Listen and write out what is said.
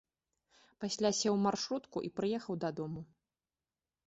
Пасля сеў у маршрутку і прыехаў дадому.